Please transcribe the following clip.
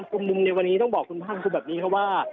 การสมุมในวันนี้ต้องบอกคุณพ่างภุแบบนี้นะคะ